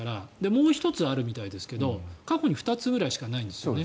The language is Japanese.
もう１つ、あるみたいですけど過去に２つくらいしかないんですよね。